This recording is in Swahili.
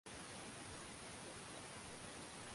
ni watu ambo wanahitaji kulipwa